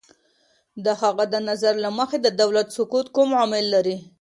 د هغه د نظر له مخې، د دولت سقوط کوم عوامل لري؟